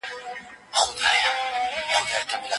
د مطالعې عادت د علمي معیارونو د پیاوړتیا لامل دی.